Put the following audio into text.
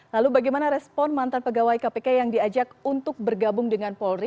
lalu bagaimana respon mantan pegawai kpk yang diajak untuk bergabung dengan polri